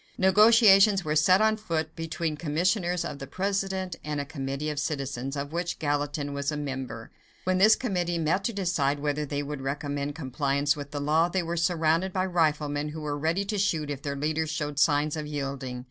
Negotiations were set on foot between commissioners of the President, and a committee of citizens, of which Gallatin was a member. When this committee met to decide whether they would recommend compliance with the law, they were surrounded by riflemen who were ready to shoot if their leaders showed signs of yielding.